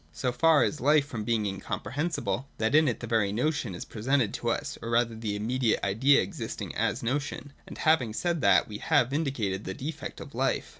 So far is life from being incomprehensible, that in it the very notion is presented to us, or rather the imme diate idea existing as a notion. And having said this, we have indicated the defect of life.